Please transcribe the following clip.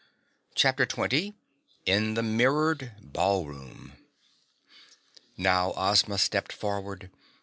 CHAPTER 20 In the Mirrored Ballroom Now Ozma stepped forward.